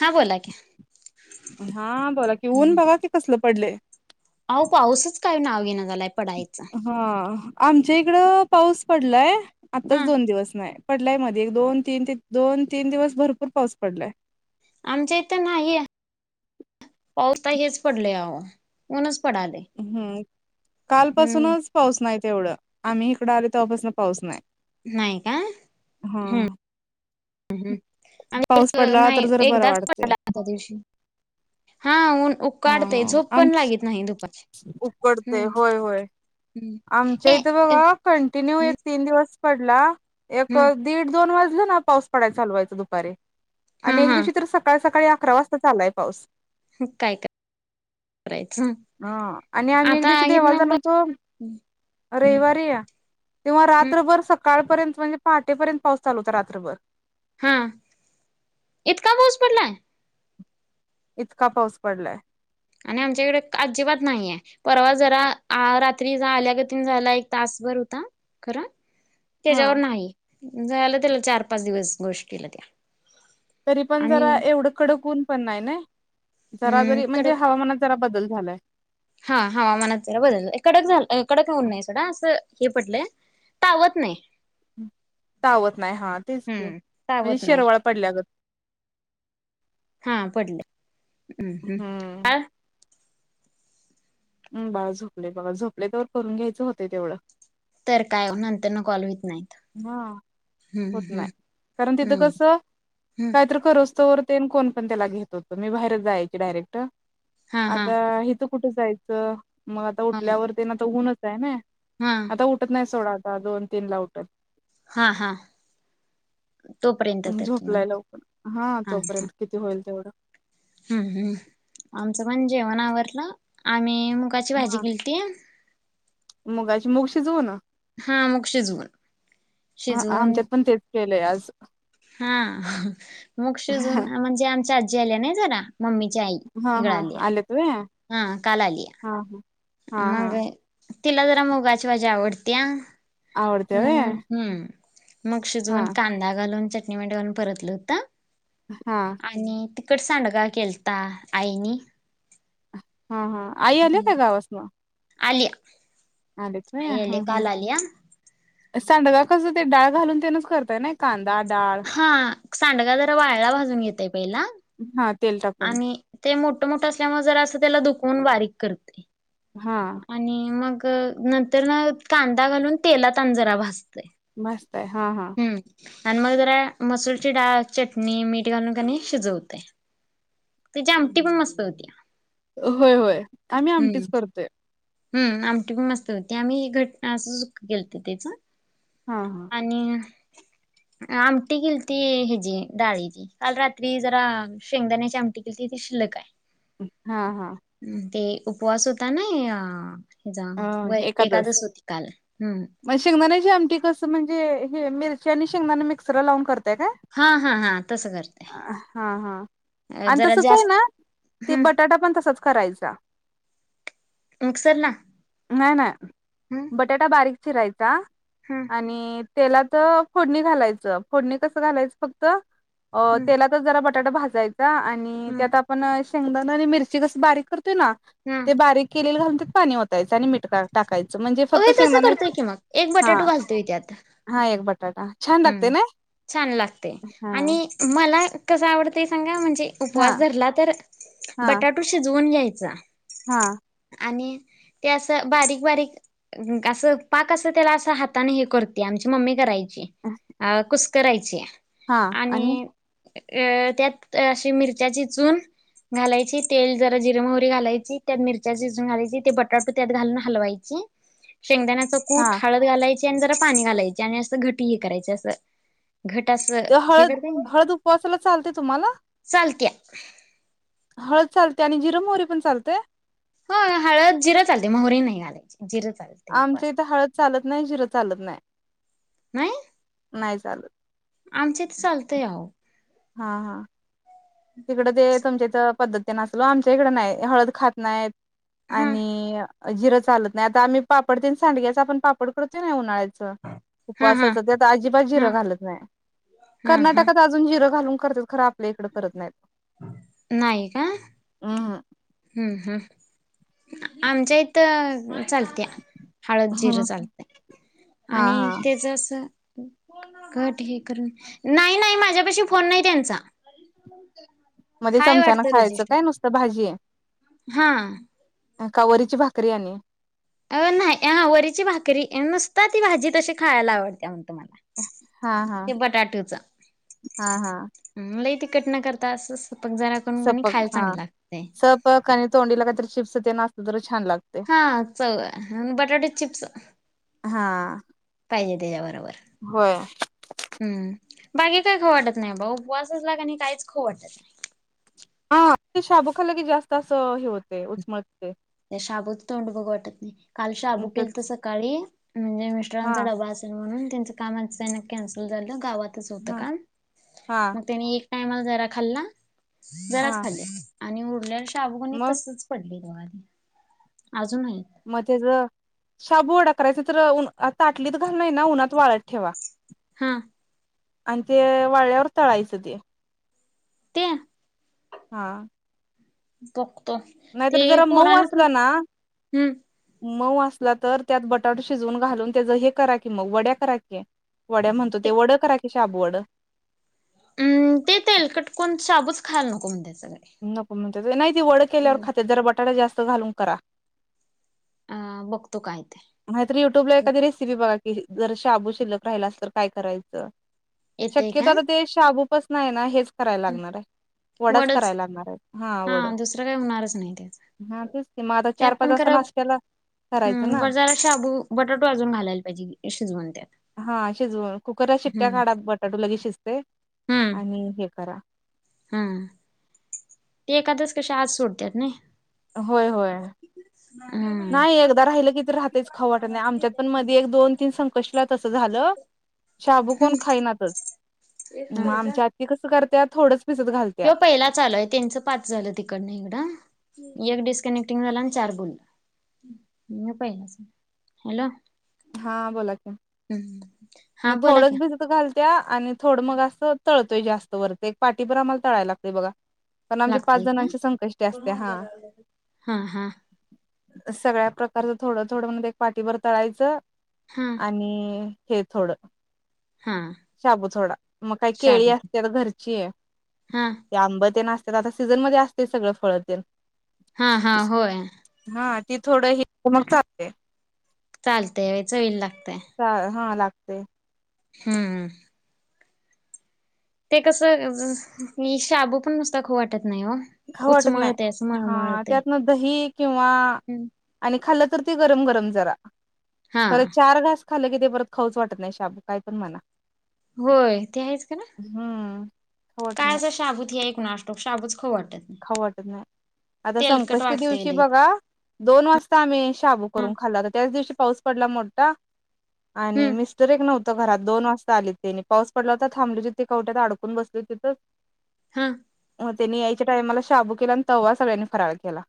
हा बोला की हा बोला कि ऊन बाबा कि कसलं पडले होह पाऊसच काय नाव घेना हा आमच्या इकड पाऊस पडलाय आत्ताच हा दोन दिवस नाही पडलाय मध्ये एक दोन तीन दोन तीन दिवस भरपूर पाऊस पडलाय आमच्या इथं नाही पाऊस हेच पडले म्हनच हम्म हम्म कालपासूनच पाऊस नाही तेवढं आम्ही इकडं आले तेव्हापासून पाऊस नाही नाही का, हा हम. हम हम पाऊस आणि पडला तर नाही जरा बरं एकदाच वाटतय पडला आदल्या दिवशी. हा ऊन हा -उकाडतय हा झोप आम पण लागित नाही दुपारची. उकडते हम्म होय होय, हम्म आमच्या हे इथे बघा कंटिन्यू हम्म एक तीन दिवस पाऊस पडला, एक हम्म अ दीड दोन वाजले ना पाऊस पडाय चालू व्हायचा दुपारी. हा आणि एक हा दिवशी तर सकाळ सकाळी अकरा वाजताच आलाय पाऊस. काय करायचं. अ आणि आम्ही एक आता दिवशी देवाला इथन जाणार पुढं होतो हम्म रयवारी या तेव्हा हम्म रात्रभर सक काळपर्यंत म्हणजे पहाटेपर्यंत पाऊस चालू होता रात्रभर. हा, इतका पाऊस पडलाय? इतका पाऊस पडलाय. आणि आमच्याकडे क अजिबात नाहीये, परवा जरा आ रात्री ज आल्यागत झाला एक तास भर होता खरं. हा त्याच्यावर नाही, झालं त्याला चार पाच दिवस गोष्टीला त्या. तरी पण आणि जरा एवढं कडक ऊन पण नाय ना, जरा हम्म जरी म्हणजे कडक हवामानात जरा बदल झालाय हा हवामानात जरा बदल, कडक झा कडक ऊन नाय सोडा असं हे पडलंय, तावत नाही. तावत नाही हा तेच की, हम्म म्हणजे तावत नाही शिरवाळ पडल्यागत. हा पडलंय, हम्म हम्म [unintelligible] हम्म, बाळ झोपलंय बघा झोपलंय तवर करून घ्यायचं होतंय तेवढं. तर काय ओ नंतरन कॉल हो हा, होत नाय, कारण तिथं हम्म कसं हम्म काहीतर करोस्तवर तेन कोण पण त्याला घेत होतं, मी बाहेर जायाची डायरेक्ट, हा हा आता हिथं कुठं जायचं? मग आता हा उठल्यावरती अन आता ऊनच आहे ना, हा आता उठत नस सोडा आता दोन तीनला उठल. हा हा. तोपर्यंत तर किमान झोपलाय लवकर हा तोपर्यंत किती होईल तेवढं? हम्म हम्म आमचं पण जेवण आवरलं आम्ही मुगाची भाजी हा केलती. मुगाची -मुग शिजवून? हा मुग शिजवून हा शिजवून आमच्यात पण तेच केलंय आज. हा मग शिजून हा म्हणजे, आमची आजी आल्या नाही जरा. मम्मीची आई हिकडं हा आल्या आलेत व्हय हा काल आल्या. हा हा हा मग तिला जरा मुगाची भाजी आवडत्या. आवडत्या व्हय म्हणून हम. मग हा शिजवून कांदा घालून चटणी मिठ घालून परतलं होत. हा. तिकट सांडगा केलता आईनी. हा हा आई आल्या का गावासन? आली. आलेत व्हय आई हम्म आल्या हम्म काल आल्या. सांडगा कसं ते डाळ घालून तेनच करताय नाय, कांदा, डाळ हा सांडगा जरा वाळला भाजून घेतोय पहिला. हा. तेल टाकून आणि ते मोठ मोठं असल्यामुळे जरा असं त्याला दुखवून बारीक करतय. हा आणि मग नंतर ना कांदा घालून तेला आणि तजरा भाज भाजतायं हा हा. आणि मग जरा मसूरची डाळ, चटणी, मीठ घालून कनइ शिजवतोय. तेची आमटी पण मस्त होत्या. होय होय, आम्ही आमटीच करतोय. हूं, आमटी पण मस्त होती. आम्ही घट्ट ना असंच केलंत तेच हा हा आणि [inaudible] आमटी केलती हेजी डाळीची. काल रात्री जरा शेंगदाण्याची आमटी केलती तीे लयकाय. हां, हां. उपवास होता नई आं. अं, एकादस, काल हम्म मग शेंगदाण्याची आमटी कसं म्हणं ते हे मिरच्या आणि शेंगदाण मिक्सरला लावून कर व्हय का, हा हा हा तसं करते हां, हां आणि जरा तसंच हाय जास्त ना. ते, हम् बटाटा पण तसाच करायचा. मिक्सरला? नाही, नाही, हम् बटाटा बारीक चिरायचा हम् आणि तेलात फोडणी घालायचं, फोडणी कसं घालायचं, फक्त हम् तेलातच जरा बटाटा भाजायचा आणि हम् त्यात आपण शेंगदाण आणि मिरची कस बारीक कर ते, ना हम् ते बारीक केलेले घालून पाणी वतायचं आणि मीट टाकायच. म्हणजे फक्त होय तसं शेंगदाणा, करतोय की मग एक बटाटू हां हां, एक बटाटा छान लागते हूं, ना छान लागतय हा आणि मला कसं आवडतंय सांगा, म्हण हा उपवास धरला तर बटाटू शिजवून घ्यायचा. हां. आणि ते असं बारीक बारीक असं पाक अस त्याला असं हाताने हे करत्या आमच्य - - मम्मी करायची. अ कुसकरायची आणि अ त्यात अशी मिरच्या चिचून - - घालायची तेल, जरा जिरं, मोहरी घालायची त्यात मिरच्या चेचून घालायच्या ते बटाटे त्यात घालून हलवायचे. [inaudible] शेंगदाण्याच कूट, हा हळद घालायची आणि जरा पाणी घालायचे, आणि असं घट हे करायचे असं घटच ते हे हळद करतोय किनइ हळद उपवासाला चालते तुम्हाला चालत्या. हळद चालत्या, आणि जिर, मोहरी पण चालतय? ह हळद जिर चालतयं मोहरी नाही घालायची. जिरं चालते आमच्या उपवास इथे हळद चालत नाही, जिरं चालत नाही नाही नाही. चाल आमच्या इथे चालतय आवो. हा हा. तिकडं ते तुमच्या इथं पद्धत तेन असल, आमच्या इकडं नाही हळद खात नाहीत. हा आणि जिरं चालत नाही, आणि आता आम्ही पापड तेन सांडग्याच आपण पापड करतो नाही उन्हाळ्यात च हा हा उपवासाचं त्यात अजिबात जिर हा घालत नाही, हा हा कर्नाटकात अजून जिरं घालून करत्यात खर आपल्या इकड करत नाहीत. नाही का? हा. हम हम आमच्या इथं चालत्या हळद, जिरं हं चालतंय हा आणि हा त्याच अस कट हे करून नाही नाही, माझ्या पशी फोन नाही त्यांचा. मग ते हाय चमच्यानं वाटत खायचं रजिस्टर. काय नुसतं भाजी हा. का वरीची भाकरी आणि अ नाही अ वरीची भाकरी नुसता ती भाजी तशी खायला आवडत्या. [unintelligible] हा हा ते बटाटूचं हा हा मला ये कट न करता असचं. सपक हा सपक आणि तोंडीला काहीतरी चिप्स तेन असल तर छान लागतंय हा चव बटाटे चिप्स हा पाहिजे, त्याच्यावर. होय हम्म बागे काही खो वाटत नाही बाऊ उपवासच लाग आणि काहीच ख वाटत नाही हा ते शाबुखाला की जास्त असं हे होत उचमळ शाबूच तोंड बघ वाटत नाही काल शाबू केल तर उगच सकाळी म्हणजे हा मिस्टरांचा डबा असेल म्हणून त्यांच काम त्यां कन्सल झालं गावातच होत हा का हा मग त्यानी टायमाला जरा खाल्ला जराच हा खाल्ली आणि उरलेला शाबगणी मग तसच पडली हो मध्येच शाबू डा करायचा तर ताटलीत घालणार ना उन्हात वाळत ठेवा हा अ ते वाळ वर् तळायसते ते हा कक नाहीतर जरा मऊ असला ना हम्म मऊ अस असला तर त्यात बटाट शिजवून घालून त्याच हे करा की मग वड्या करा क वड्या म्हणतो ते वड करा की शाब वड अम् ते ते येईल कटकण शाबूच खायल नकोम द्या नको म्हणते नाही त वड केल्यावर हम्म खाते जरा बटाटा जास्त घालून करा अ बघतो काय ते मात युट्यूब ला एखादी रेसिपी बघा कि जर शाबू शिल्लक राहिला अस तर काय करायचं येतय काय शक्यतो ते शाबूपच नाही आहे ना हेच करायला लागणार आहे वडाच वडच करायला लागणार आहे हा वड दुसरं काय होणारच नाही त्याच हा तेच ते मग आता चार पाच वाजता नाच केला हम बाजारा शाबू बटाटू अजून घालायला पाहिजे शिजव हा शिजवून कुकरला शिट्ट्या काढा बटाटू लगे शिजते आणि हे करा हम ते एखाद्याच कश आज सोडतत ना होय हो हम्म नाही एकदा राहिलं की राहतेच खवट नाही आमच्यात पण मध्ये एक दोन तीन सं तस झालं शबू कोण हम्म खानाच मग आमच्या आ कस कर त्या थोडं ह पहिला चालोय त्यांचं पाच झालं तिकडन इकडं एक डिस्कनेक्टिंग झाला आणि चार बुोलला पहिला हॅलो हा बोला हम्म हा बोला की थोडच भिस घालच त्या आणि थोडं मग असं तळतोय जास्त वर ते एक पाठीीभर आम्हाला तळायला लागते बघा पण आमच्या पाच लागतय का जणांची संकष्टी असते हा हा हा सगळ्या प्रकारच थोडं थोडं म्हणज एक पाठीीवरर तळायचं हा आणि हे थोडं हा शाबूचोडा मग काही केळी शाबू असते तर घरची आहे हा ते आंब ते नाते त्यात आता सीझन मध्ये असते सगळं फळ ते हा हा होय ती थोड ह मग चालते चालत वच होईल ला हा लागते हम्मम ते कसंई शाबू पण नुसत खू वाटत नाही हो. ह वाटत उचमळते असं नाही हा मळमळते त्यातन दही किंवा आणि खा गम गरम हा. ख चार घ खालं कि ते परत खाऊच वाटत नाही शाब काय पण मला होय ते आहेच का ना खाऊ वाटत काय नाही असं शाबूत आहे कुणासटो शाबूच खावू वाटत. नाही. खाऊ वाटत नाही. आता तेलकट संकष्टी वाटतंय दिवशी लई बघा दोन वाजता आम्ही शाबू करून खाल्ला तर त्याच दिवशी पाऊस पडला मोठा आणि हम्म मिस्टर एक नव्ह त घरात दोन वाजता आलीत तेनी पाऊस पडला होता. थांबलीत तिथे कवट्यात अडकून बसली तिथंच. हा मग त्यांनी यायच्या टाइमाला शाबू केला आणि तेव्हा सगळ्यांनी फराळ केला.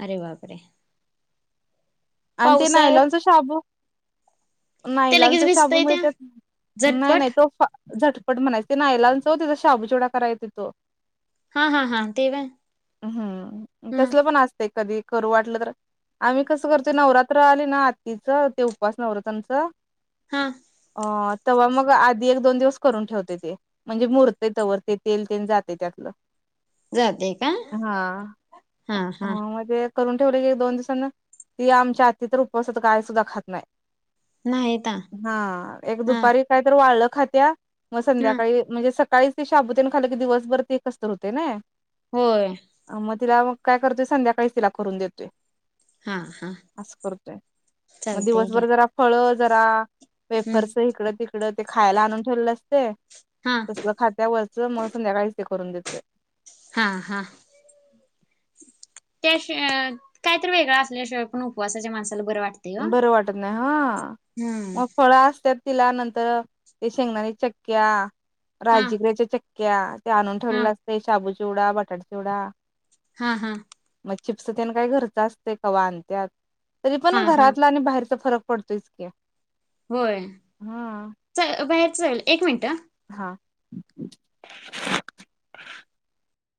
अरे बापरे, आणि ते पावसा नायलॉनचा शाबू ते लगेच नाईलाॅनचा शाबू भिजतय त्या मिळतात. नाही झटपट नाही तो फा झटपट म्हणायचें नायलांचा त्याचा शाबूवडा करायचा तो, हा हा हा ते व्हय हम्म हा तसल पण असतय. कधी करू वाटलं तर आम्ही कस करतोय. नवरात्र आले ना आत्तीचं ते उपास नवरात्रचं हा ह तेव्हा मग आधी एक दोन दिवस करून ठेवते. ते म्हणजे मुरतय तवर ते तेल तेल जाते त्यातलं, जाते का हा हा म्हणजे, करून ठेवले की दोन दिवसांना ती आमची आती तर उपवासाला कायसुद्धा खात नाही. हा एक दुपारी कायतरी वाळलं खात्या. मग हा संध्याकाळी म्हणजे सकाळीच ते शाबुतेन खाल की दिवसभर ते कसतर होते नाही. होय. तिला मग काय करतोय संध्याकाळी तिला करून देतोय. हा हा अस करतोय मग चालतंय घ्या दिवसभर जरा फळ जरा हम्म वेफर्स इकडं तिकडं ते खायला आणून ठेवलेलं असते. हा तसलं खात्या वरिच मग संध्याकाळीच ते करून देतोय. हा हा त्या काहीतरी वेगळं असल्याशिवाय पण उपवासाच्या माणसाला बरं वाटतंय ओ. बरं वाटत नाही हा हम्म. मग फळ असत्यात. तिला नंतर ते शेंगदाणाच्या चक्क्या, हा राजीगऱ्याच्या चक्क्या. ते आणून हा ठेवले असते शाबू चिवडा, बटाटा चिवडा हा हा चिप्स तेन काय घरचं असतय. कवा आणत्यात हा तरीपण हा घरातल आणि बाहेरचं फरक पडतोयच की. होय, हा चल बाहेर चल एक मिनिटं, ह